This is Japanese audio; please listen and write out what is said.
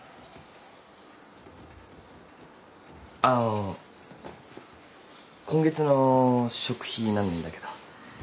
あの今月の食費なんだけど。